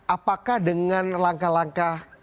apakah dengan langkah langkah